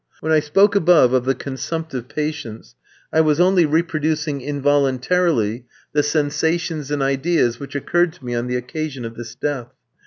When I spoke above of the consumptive patients, I was only reproducing involuntarily the sensations and ideas which occurred to me on the occasion of this death.